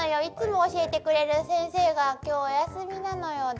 いつも教えてくれる先生が今日お休みなのよ。